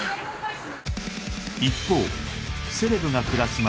一方セレブが暮らす街